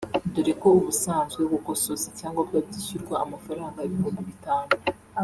dore ko ubusanzwe gukosoza icyangombwa byishyurwa amafaranga ibihumbi bitanu